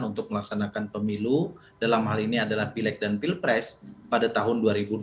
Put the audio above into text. untuk melaksanakan pemilu dalam hal ini adalah pileg dan pilpres pada tahun dua ribu dua puluh